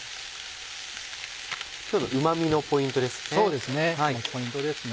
今日のうま味のポイントですね。